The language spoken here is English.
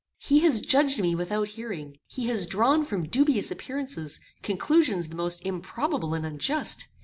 He has judged me without hearing. He has drawn from dubious appearances, conclusions the most improbable and unjust.